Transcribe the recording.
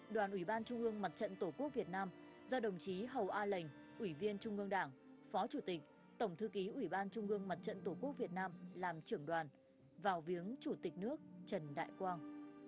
đoàn ủy ban trung ương mặt trận tổ quốc việt nam do đồng chí hầu a lệnh ủy viên trung ương đảng phó chủ tịch tổng thư ký ủy ban trung ương mặt trận tổ quốc việt nam làm trưởng đoàn vào viếng chủ tịch nước trần đại quang